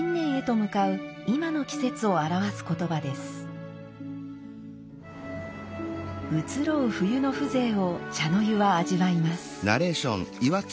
移ろう冬の風情を茶の湯は味わいます。